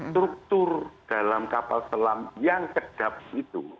struktur dalam kapal selam yang kedap itu